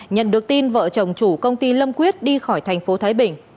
nhận được tin vợ chồng chủ công ty lâm quyết đi khỏi thành phố thái bình